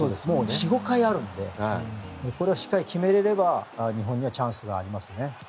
４５回あるのでこれをしっかり決めれれば日本にはチャンスがありますね。